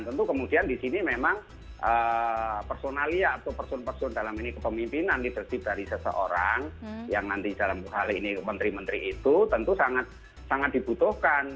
tentu kemudian di sini memang personalia atau person person dalam ini kepemimpinan leadership dari seseorang yang nanti dalam hal ini menteri menteri itu tentu sangat dibutuhkan